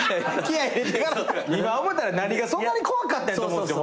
今思ったら何がそんなに怖かったんやと思うんですよ。